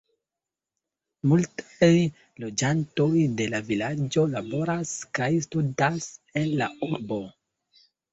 Multaj loĝantoj de la vilaĝo laboras kaj studas en la urbo.